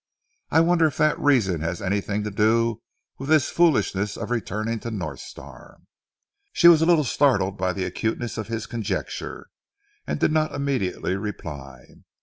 I wonder if that reason has anything to do with this foolishness of returning to North Star." She was a little startled by the acuteness of his conjecture, and did not immediately reply.